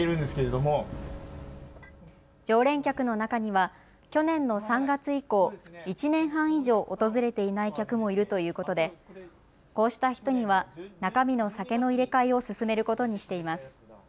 常連客の中には去年の３月以降、１年半以上訪れていない客もいるということでこうした人には中身の酒の入れ替えを勧めることにしています。